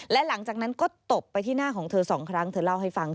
และหลังจากนั้นก็ตบไปที่หน้าของเธอสองครั้งเธอเล่าให้ฟัง